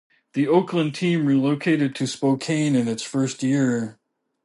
The Oakland team relocated to Spokane in its first year.